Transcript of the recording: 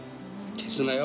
消すなよ